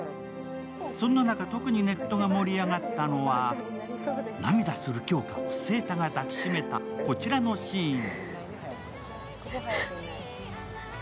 そんな中、特にネットが盛り上がったのは、涙する杏花を晴太が抱きしめたこちらのシーン。